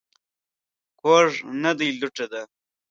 کوږ نه دى ، لوټه ده.